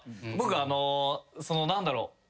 僕あの何だろう。